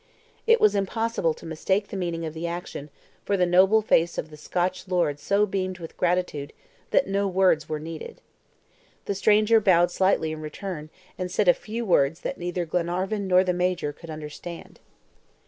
It was impossible to mistake the meaning of the action, for the noble face of the Scotch lord so beamed with gratitude that no words were needed. The stranger bowed slightly in return, and said a few words that neither Glenarvan nor the Major could understand.